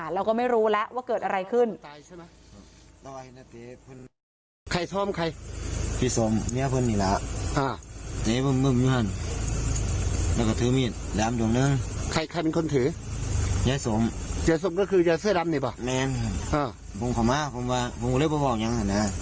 เราก็ไม่รู้แล้วว่าเกิดอะไรขึ้น